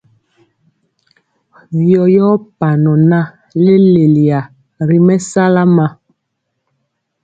Vyɔ yɔɔ panɔ na leleyiya ri mɛsala ma.